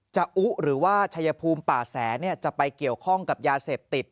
อุหรือว่าชายภูมิป่าแสจะไปเกี่ยวข้องกับยาเสพติด